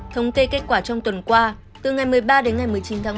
thông tê kết quả trong tuần qua từ ngày một mươi ba đến ngày một mươi chín tháng ba